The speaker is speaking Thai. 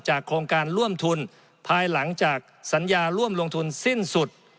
โครงการร่วมทุนภายหลังจากสัญญาร่วมลงทุนสิ้นสุด